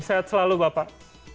sehat selalu bapak